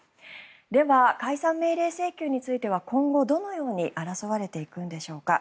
では、解散命令請求については今後どのように争われていくんでしょうか。